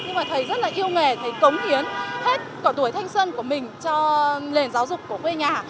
người thầy cống hiến hết cả tuổi thanh sân của mình cho lền giáo dục của quê nhà